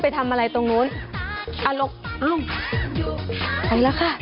ไปแล้วค่ะ